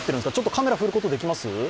カメラ振ることできます？